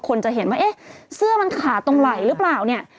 จะเห็นว่าเอ๊ะเสื้อมันขาดตรงไหล่หรือเปล่าเนี่ย